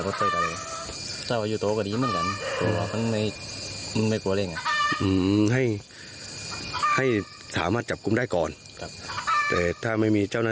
คุณผู้ชมซึ่งชาวบ้านส่วนเคียงอำเภอพัทธาลุงนี่นะคะ